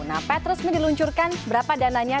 nah pet resmi diluncurkan berapa dananya